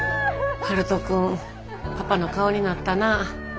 悠人君パパの顔になったな。